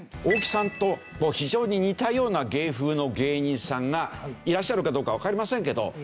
大木さんと非常に似たような芸風の芸人さんがいらっしゃるかどうかわかりませんけど。